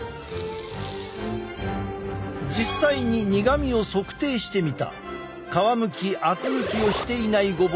実際に苦みを測定してみた。